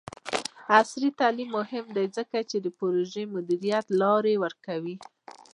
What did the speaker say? عصري تعلیم مهم دی ځکه چې د پروژې مدیریت لارې ورکوي.